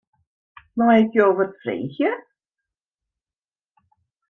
Mei ik jo wat freegje?